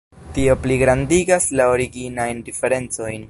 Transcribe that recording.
Tio pligrandigas la originajn diferencojn.